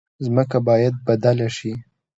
ځمکه باید بدله شي.